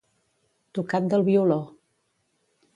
Tocat del violó.